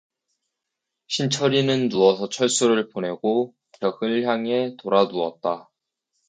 신철이는 누워서 철수를 보내고 벽을 향하여 돌아누웠다.